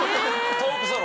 トークソロ？